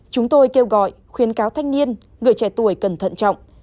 chúng tôi kêu gọi khuyến cáo thanh niên người trẻ tuổi cần thận trọng